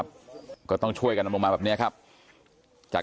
พ่ออยู่หรือเปล่า